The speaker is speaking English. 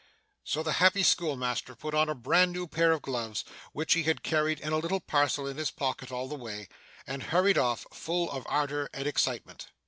So, the happy schoolmaster put on a bran new pair of gloves which he had carried in a little parcel in his pocket all the way, and hurried off, full of ardour and excitement.